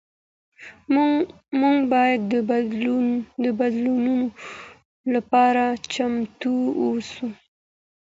موږ باید د بدلونونو لپاره چمتو اوسو.